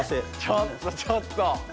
ちょっとちょっと！